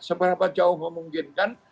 seberapa jauh memungkinkan